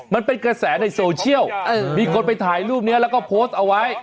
มันเป็นกระแสในโซเชียลมีคนไปถ่ายรูปนี้แล้วก็โพสต์เอาไว้